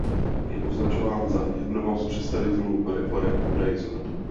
Je označován za jednoho z představitelů reforem judaismu.